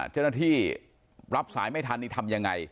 จณที่รับสายไม่ทันนี่ทำยังไง